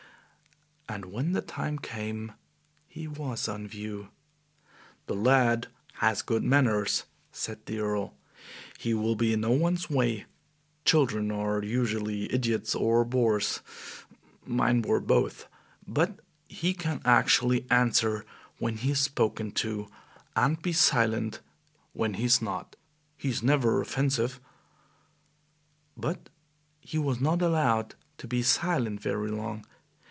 And when the time came he was on view. "The lad has good manners," said the Earl. "He will be in no one's way. Children are usually idiots or bores, mine were both, but he can actually answer when he's spoken to, and be silent when he is not. He is never offensive." But he was not allowed to be silent very long.